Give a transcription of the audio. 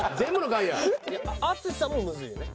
淳さんもむずいよね。